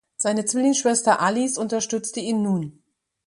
Seine Zwillingsschwester Alice unterstützte ihn nun.